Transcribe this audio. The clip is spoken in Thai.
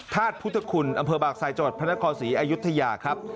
ทาสพุทธคุณอำเภอบากศัยจรสพระนครศรีอยุธยาครับ